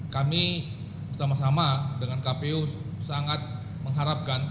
kami bersama sama dengan kpu sangat mengharapkan